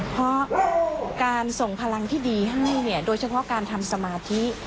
เพราะการส่งพลังที่ดีให้เนี่ยโดยเฉพาะการทำสมาธิ